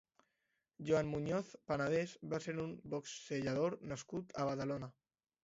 Joan Muñoz Panadés va ser un boxejador nascut a Badalona.